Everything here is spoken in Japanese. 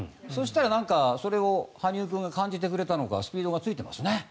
そしたら羽生君が感じてくれたのかスピードがついていますね。